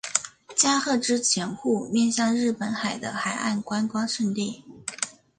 加贺之潜户面向日本海的海岸观光胜地。